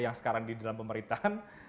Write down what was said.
yang sekarang di dalam pemerintahan